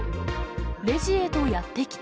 レジへとやって来て。